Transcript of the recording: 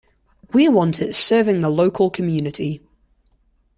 We want it serving the local community.